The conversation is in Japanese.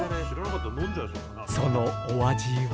そのお味は？